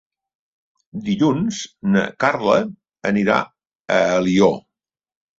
Dilluns na Carla anirà a Alió.